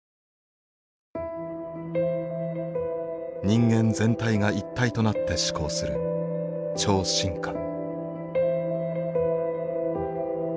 「人間全体が一体となって思考する超進化」。